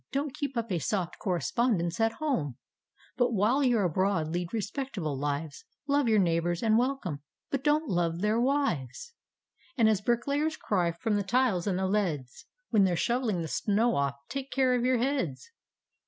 Don't keep up a soft correspondence at homel But while you're abroad lead respectable lives; Love your neighbours, and welccMne, — but don't love their wives! And, as bricklayers cry from the tiles and the leads When they're shovelling the snow off, " take care OF YOUR heads"!